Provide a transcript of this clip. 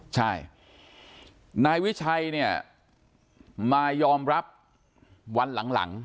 ใช่นายวิชัยเนี่ยมายอมรับวันหลัง